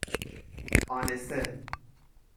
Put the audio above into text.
آنِسه